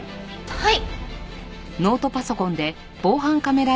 はい。